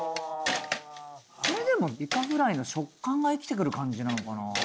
これでもいかフライの食感が生きてくる感じなのかな